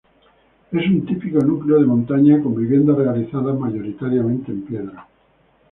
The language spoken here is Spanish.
Es un típico núcleo de montaña con viviendas realizadas mayoritariamente en piedra.